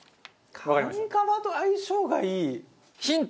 カニカマと相性がいい？ヒント。